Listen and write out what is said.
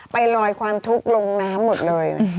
ไปลอยความทุกข์ลงน้ำหมดเลย